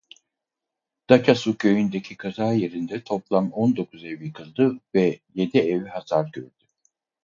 Daça-Su köyündeki kaza yerinde toplam on dokuz ev yıkıldı ve yedi ev hasar gördü.